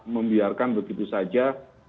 membiarkan begitu saja